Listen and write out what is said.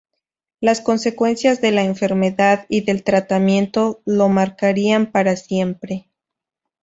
Las consecuencias de la enfermedad y del tratamiento lo marcarían para siempre.